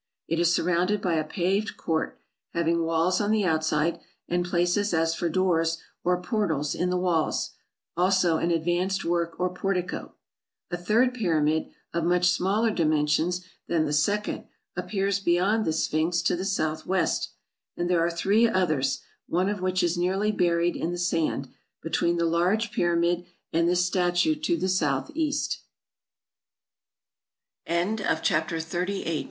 It is surrounded by a paved court, having walls on the outside, and places as for doors or portals in the walls ; also an advanced work or portico. A third pyramid, of much smaller dimensions than the second, appears beyond the Sphinx to the south west; and there are three others, one of which is nearly buried in the sand, between the large pyramid and